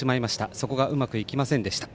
そこがうまくいきませんでした。